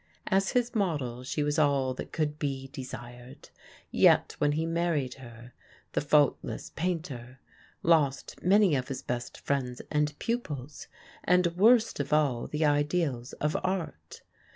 As his model she was all that could be desired; yet when he married her the "faultless painter" lost many of his best friends and pupils, and worst of all the ideals of art.